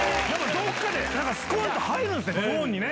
どっかでスコン！と入るんすね